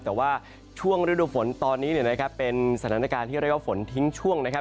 แต่ว่าช่วงฤดูฝนตอนนี้เนี่ยนะครับเป็นสถานการณ์ที่เรียกว่าฝนทิ้งช่วงนะครับ